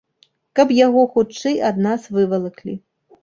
Каб яго хутчэй ад нас вывалаклі.